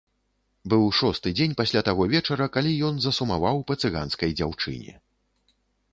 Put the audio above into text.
Быў шосты дзень пасля таго вечара, калі ён засумаваў па цыганскай дзяўчыне.